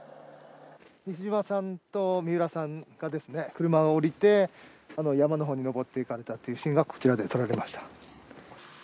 西島さんと三浦さんがですね、車を降りて、山のほうに上っていかれたというシーンがこちらで撮られました。